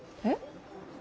えっ？